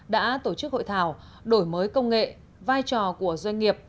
đã tổ chức hội thảo đổi mới công nghệ vai trò của doanh nghiệp